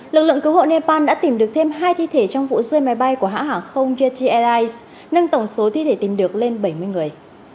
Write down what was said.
lực lượng cứu hộ nepal đã tìm được thêm hai thi thể trong vụ rơi máy bay của hãng hàng không yettel airlines nâng tổng số thi thể tìm được lên bảy mươi người